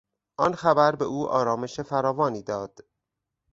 آن خبر به او آرامش فراوانی داد.